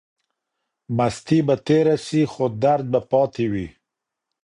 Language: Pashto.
مستی به تیره سي خو درد به پاتې وي.